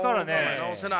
治せない。